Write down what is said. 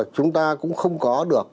chúng ta cũng không có được